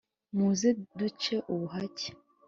muzeduce ubuhake .